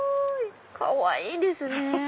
かわいいですね！